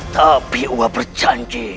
tapi saya berjanji